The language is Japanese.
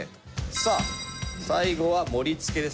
さあ最後は盛り付けですね。